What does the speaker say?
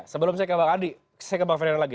sebelum saya ke pak adi saya ke pak ferdinand lagi